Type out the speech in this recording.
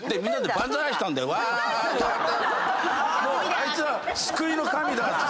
あいつは救いの神だ！